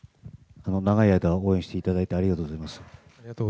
長い間応援していただいてありがとうございます。